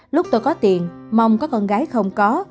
lúc tôi có tiền mong có con gái không có